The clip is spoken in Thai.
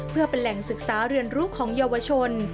เพื่อเป็นแหล่งศึกษาเรียนรู้ของเยาวชน